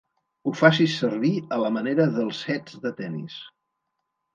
Ho facis servir a la manera dels sets de tennis.